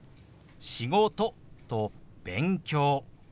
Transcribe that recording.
「仕事」と「勉強」。